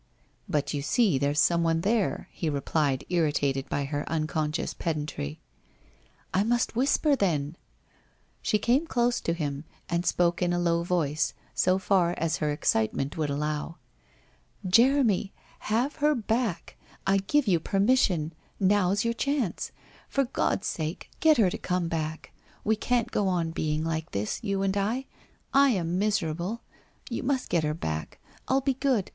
' But, you see there's someone there ?' he replied irri tated by her unconscious pedantry. * I must whisper, then/ She came close to him and spoke in a low voice, so far as her excitement would allow. ' Jeremy, have her back ! I give you permission. Now's your chance. For God's sake, get her to come back ! We can't go on being like this — you and I. I am miserable. You must get her back. I'll be good.